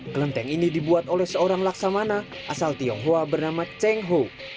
kelenteng ini dibuat oleh seorang laksamana asal tionghoa bernama cheng ho